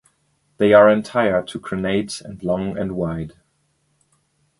They are entire to crenate and long and wide.